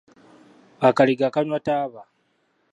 Akaliga kaanywa taba.